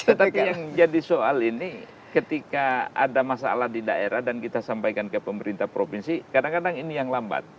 tetapi yang jadi soal ini ketika ada masalah di daerah dan kita sampaikan ke pemerintah provinsi kadang kadang ini yang lambat